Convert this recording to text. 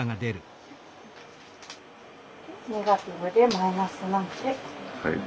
ネガティブでマイナスなので。